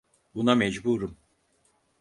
Buna mecburum.